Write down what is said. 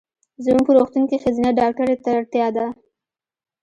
زمونږ په روغتون کې ښځېنه ډاکټري ته اړتیا ده.